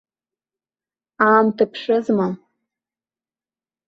Аамҭа ԥшызма.